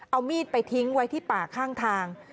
เอามีดไปทิ้งไว้ที่ป่าข้างทาง